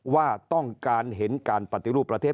ว่าต้องการเห็นการปฏิรูปประเทศ